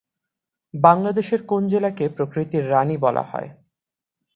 বাংলাদেশের কোন জেলাকে প্রকৃতির রানি বলা হয়?